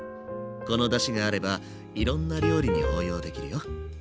このだしがあればいろんな料理に応用できるよ。